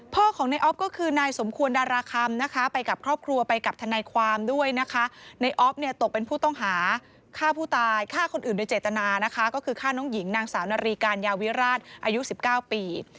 ฆ่าคนอื่นด้วยเจตนาก็คือฆ่าน้องหญิงนางสาวนารีการยาวิราชอายุ๑๙ปี